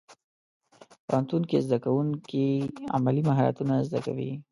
پوهنتون کې زدهکوونکي عملي مهارتونه زده کوي.